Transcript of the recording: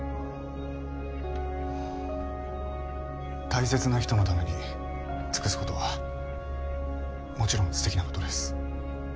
大切な人のために尽くすことはもちろん素敵なことです。